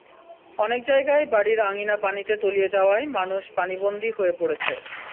অনেক জায়গায় বাড়ির আঙিনা পানিতে তলিয়ে যাওয়ায় মানুষ পানিবন্দী হয়ে পড়েছে।